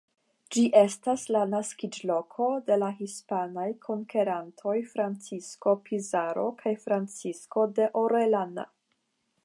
Ĝi estas la naskiĝloko de la hispanaj konkerantoj Francisco Pizarro kaj Francisco de Orellana.